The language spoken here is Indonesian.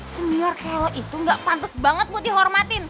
senior kayak lo itu gak pantes banget buat dihormatin